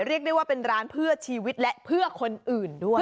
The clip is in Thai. เรียกได้ว่าเป็นร้านเพื่อชีวิตและเพื่อคนอื่นด้วย